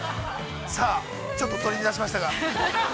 さあ、ちょっと取り乱しましたが。